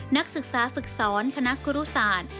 นักศึกษาฝึกสอนคณะกรุศาติ